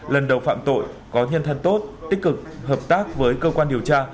lần đầu phạm tội có nhân thân tốt tích cực hợp tác với cơ quan điều tra